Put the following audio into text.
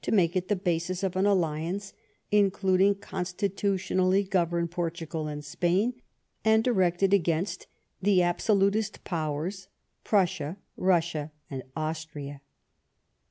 87 make it the basis of an alliance inolading oonstitu tionally govemed Portugal and Spain, and directed ragainst the Absolatist Powers, Prussia, Russia, and Austria.